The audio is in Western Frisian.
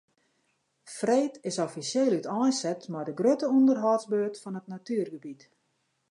Freed is offisjeel úteinset mei de grutte ûnderhâldsbeurt fan it natuergebiet.